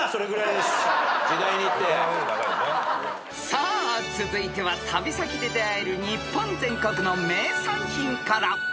［さあ続いては旅先で出合える日本全国の名産品から］